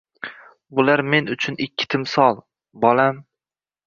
Bular men uchun ikki timsol, bolam